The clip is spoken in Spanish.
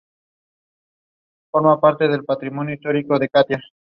Licenciado en Filosofía, trabaja en el campo del periodismo y la comunicación.